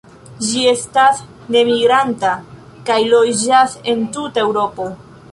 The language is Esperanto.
Ĝi estas nemigranta, kaj loĝas en tuta Eŭropo.